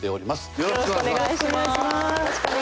よろしくお願いします。